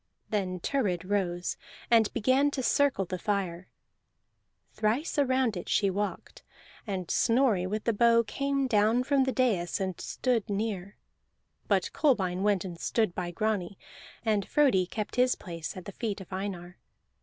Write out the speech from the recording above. Then Thurid rose and began to circle the fire. Thrice around it she walked, and Snorri with the bow came down from the dais and stood near; but Kolbein went and stood by Grani, and Frodi kept his place at the feet of Einar.